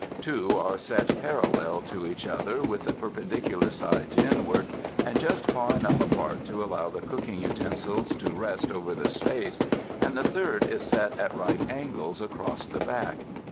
Two are set paral 137 UNDER THE SKY IN CALIFORNIA lei to each other with the perpendicular sides inward, and just far enough apart to allow the cooking uten sils to rest over the space, and the third is set at right angles across the back.